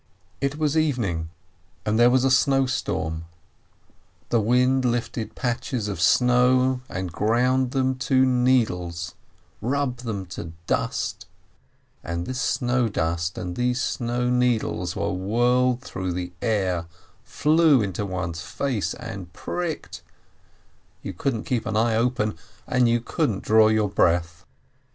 It was evening, IT IS WELL 71 and there was a snow storm. The wind lifted patches of enow, and ground them to needles, rubbed them to dust, and this snow dust and these snow needles were whirled through the air, flew into one's face and pricked — you couldn't keep an eye open, you couldn't draw your breath